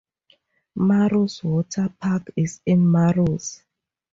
Maros Water Park is in Maros.